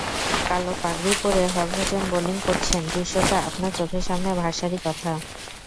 কালো পাগড়ি পরে হরভজন বোলিং করছেন, দৃশ্যটা আপনার চোখের সামনে ভাসারই কথা।